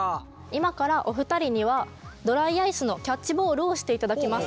今からお二人にはドライアイスのキャッチボールをしていただきます。